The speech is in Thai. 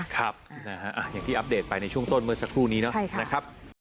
ครับนะฮะอย่างที่อัปเดตไปในช่วงต้นเมื่อสักครู่นี้นะครับ